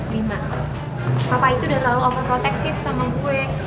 rima papa itu udah terlalu overprotective sama gue